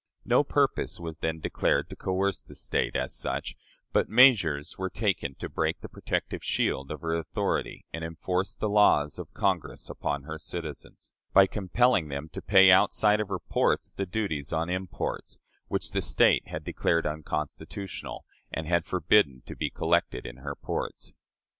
No purpose was then declared to coerce the State, as such, but measures were taken to break the protective shield of her authority and enforce the laws of Congress upon her citizens, by compelling them to pay outside of her ports the duties on imports, which the State had declared unconstitutional, and had forbidden to be collected in her ports.